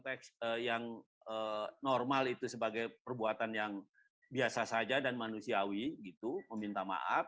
bisa dilihat dalam konteks yang normal itu sebagai perbuatan yang biasa saja dan manusiawi gitu meminta maaf